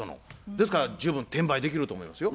ですから十分転売できると思いますよ。